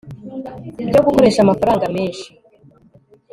byo gukoresha amafaranga menshi